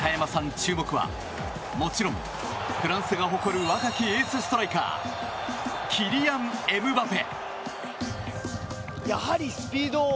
注目はもちろんフランスが誇る若きエースストライカーキリアン・エムバペ。